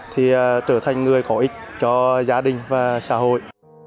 thì trở thành người có ích cho gia đình và xã hội